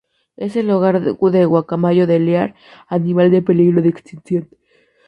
Es el hogar de guacamayo de Lear, animal en peligro de extinción.